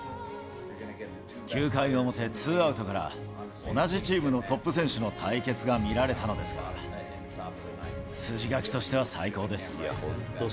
９回表、ツーアウトから同じチームのトップ選手の対決が見られたのですが、筋書きとしては最高です。